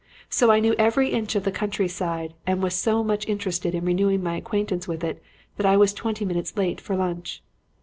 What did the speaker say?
So I knew every inch of the country side and was so much interested in renewing my acquaintance with it that I was twenty minutes late for lunch.